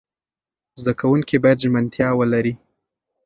زده کوونکي باید ژمنتیا ولري.